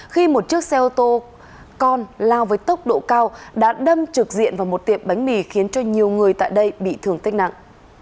khi một chiếc xe ô tô con lao với tốc độ cao đã đâm trực diện vào một tiệm bánh mì khiến cho nhiều người tại đây bị thương tích nặng